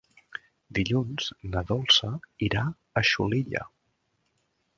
Dilluns na Dolça irà a Xulilla.